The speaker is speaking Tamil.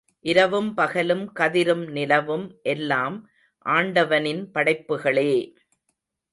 இரவும் பகலும் கதிரும் நிலவும் எல்லாம் ஆண்டவனின் படைப்புகளே!